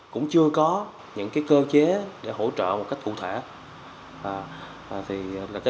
cũng chưa có những cơ chế để hỗ trợ một cách cụ thể